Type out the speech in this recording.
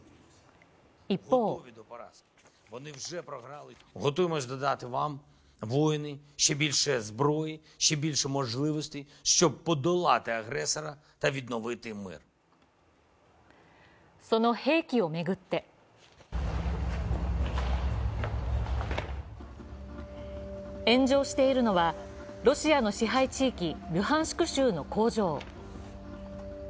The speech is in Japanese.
一方その兵器を巡って炎上しているのは、ロシアの支配地域ルハンシク州の工場。